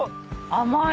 甘い！